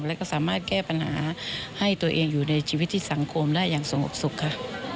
แล้วก็สามารถแก้ปัญหาให้ตัวเองอยู่ในชีวิตที่สังคมได้อย่างส่งออกสุขค่ะ